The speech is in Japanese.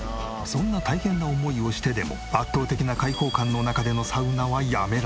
そんな大変な思いをしてでも圧倒的な開放感の中でのサウナはやめられない。